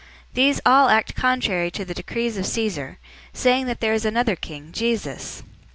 These all act contrary to the decrees of Caesar, saying that there is another king, Jesus!"